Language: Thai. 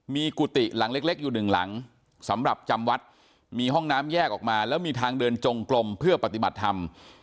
มีกุฏิหลังเล็กอยู่หนึ่งหลังสำหรับจำวัดมีห้องน้ำแยกออกมาแล้วมีทางเดินจงกลมเพื่อปฏิบัติธรรม